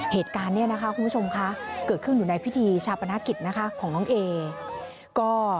เหตุการณ์นี้คุณผู้ชมคะเกิดขึ้นอยู่ในพิธีชาวปฎาคิตของน้องเอค่ะ